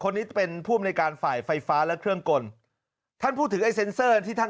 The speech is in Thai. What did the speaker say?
คนนี้เป็นผู้ไฟฟ้าและเครื่องกลท่านพูดถึงไอ้เซ็นเซอร์ที่ท่าน